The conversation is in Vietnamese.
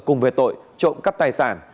cùng về tội trộm cắp tài sản